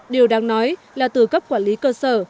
điều đáng nói là từ cấp quản lý cơ sở